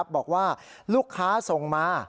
บอกว่าลูกค้าส่งมา